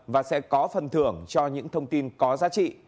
và sẽ có phần thưởng cho những thông tin có giá trị